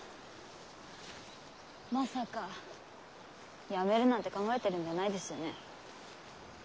まさか辞めるなんて考えてるんじゃないですよね。